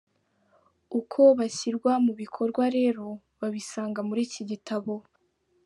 Uko byashyirwa mu bikorwa rero, babisanga muri iki gitabo.